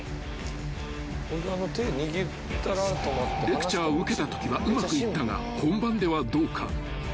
［レクチャーを受けたときはうまくいったが本番ではどうか］